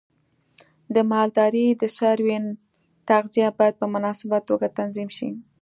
د مالدارۍ د څارویو تغذیه باید په مناسبه توګه تنظیم شي.